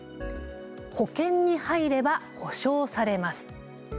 保険に入れば保証されます。